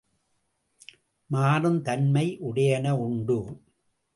மாறும் தன்மை உடையன உண்டு.